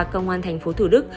công an thành phố thủ đức